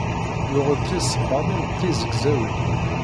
Yuɣ-d tisebbaḍin d tizgzawin